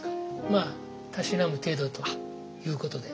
まあたしなむ程度ということで。